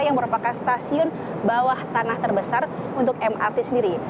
yang merupakan stasiun bawah tanah terbesar untuk mrt sendiri